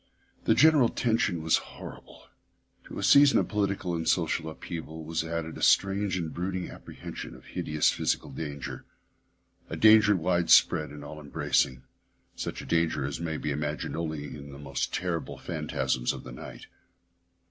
The general tension was horrible. To a season of political and social upheaval was added a strange and brooding apprehension of hideous physical danger; a danger widespread and all embracing, such a danger as may be imagined only in the most terrible phantasms of the night.